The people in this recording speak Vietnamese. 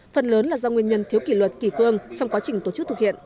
phần lớn là do nguyên nhân thiếu kỷ luật kỷ cương trong quá trình tổ chức thực hiện